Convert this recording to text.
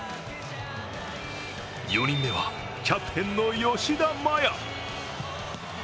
４人目はキャプテンの吉田麻也。